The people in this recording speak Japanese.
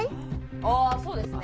ああそうですね